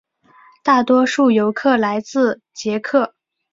大多数游客来自捷克。